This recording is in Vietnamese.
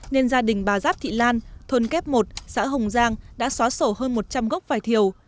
nên gia đình bà giáp thị lan thôn kép một xã hồng giang đã xóa sổ hơn một trăm linh gốc vải thiều